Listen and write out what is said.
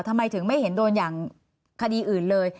ทำไมถึงไม่เห็นโดนอย่างคดีอื่นเลย